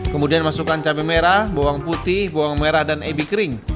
kemudian masukkan cabai merah bawang putih bawang merah dan ebi kering